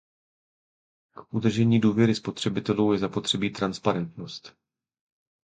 K udržení důvěry spotřebitelů je zapotřebí transparentnost.